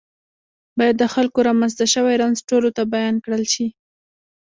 باید د خلکو رامنځته شوی رنځ ټولو ته بیان کړل شي.